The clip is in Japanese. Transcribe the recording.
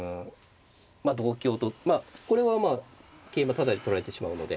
まあ同香とまあこれはまあ桂馬タダで取られてしまうので。